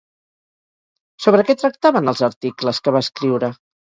Sobre què tractaven els articles que va escriure?